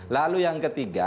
lalu yang ketiga